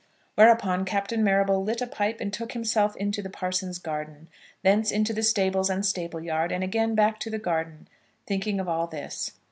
Whereupon Captain Marrable lit a pipe and took himself into the parson's garden, thence into the stables and stable yard, and again back to the garden, thinking of all this.